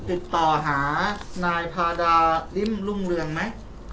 ติดต่อหานายพาดาริมรุ่งเรืองไหม